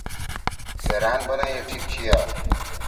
سیرأن بنئی ٹھیک چھیا۔